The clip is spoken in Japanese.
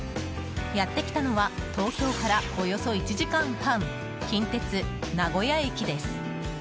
やってきたのは東京からおよそ１間半近鉄名古屋駅です。